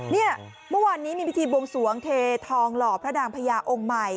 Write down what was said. เนี่ยเมื่อวานนี้มีพิธีบวงสวงเททองหล่อพระนางพญาองค์ใหม่